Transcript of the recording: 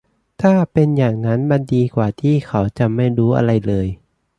ถ้าเป็นอย่างนั้น มันดีกว่าที่เขาจะไม่รู้อะไรเลย